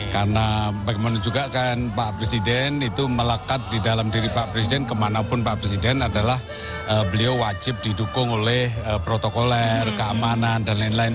karena bagaimana juga kan pak presiden itu melekat di dalam diri pak presiden kemanapun pak presiden adalah beliau wajib didukung oleh protokoler keamanan dan lain lain